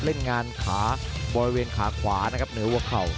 เล่นงานบริเวณขาขวาเนื้อวะเข่า